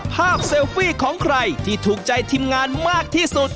เซลฟี่ของใครที่ถูกใจทีมงานมากที่สุด